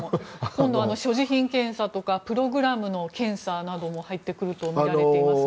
今度は所持品検査とかプログラムの検査なども入ってくると思われていますが。